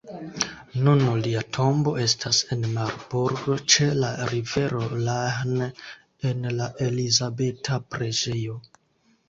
Nun lia tombo estas en Marburg ĉe la rivero Lahn en la Elizabeta preĝejo.